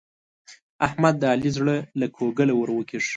احمد د علي زړه له کوګله ور وکېښ.